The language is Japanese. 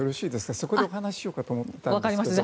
そこでお話ししようかと思ったんですけども。